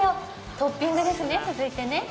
トッピングですね、続いてね。